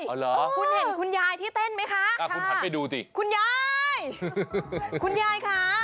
อ๋อเหรอคุณเห็นคุณยายที่เต้นไหมคะค่ะคุณยายคุณยายค่ะ